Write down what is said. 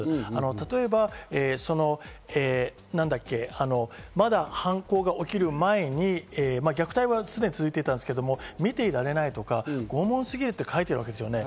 例えば、まだ犯行が起きる前に、虐待は常に続けていたんですけど、見ていられないとか拷問すぎるって書いてあるんですね。